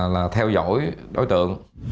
là theo dõi đối tượng